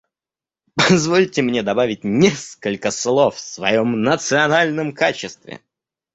Позвольте мне добавить несколько слов в своем национальном качестве.